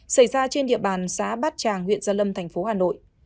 xảy ra trên địa bàn xã bát tràng huyện gia lâm tp hà nội